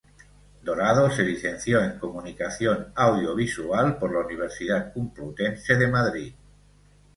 Dorado se licenció en Comunicación Audiovisual por la Universidad Complutense de Madrid.